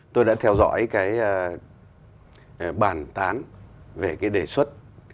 tôi đã theo dõi cái bàn tán về cái đề xuất